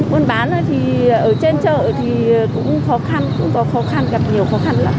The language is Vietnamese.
buôn bán thì ở trên chợ thì cũng khó khăn cũng có khó khăn gặp nhiều khó khăn lắm